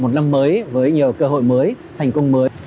một năm mới với nhiều cơ hội mới thành công mới